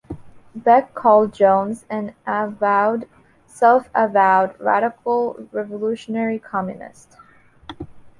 Beck called Jones, an avowed, self-avowed, radical revolutionary communist.